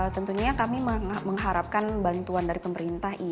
tentunya kami mengharapkan bantuan dari pemerintah